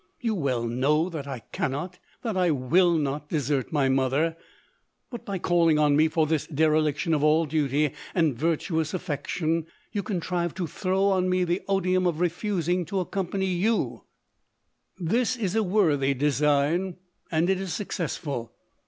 You well know that I cannot, that I will not, desert my mother ; but by calling on me for this dereliction of all duty and virtuous affection, you contrive to throw on me the odium of refusing to accompany you ; this i> a worthy design, and it is successful.